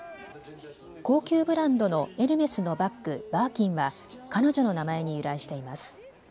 高級ブランドのエルメスのバッグ、バーキンは彼女の名前に由来しています。